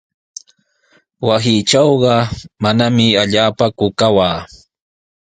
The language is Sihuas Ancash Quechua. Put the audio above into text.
Wasiitrawqa manami hapallaaku kawaa.